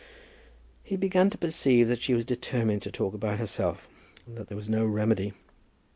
He began to perceive that she was determined to talk about herself, and that there was no remedy.